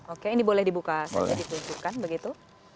oke ini boleh dibuka saja ditunjukkan begitu